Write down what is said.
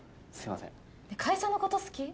会社のこと好き？